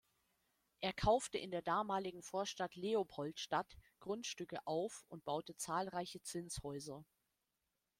Er kaufte in der damaligen Vorstadt Leopoldstadt Grundstücke auf und baute zahlreiche Zinshäuser.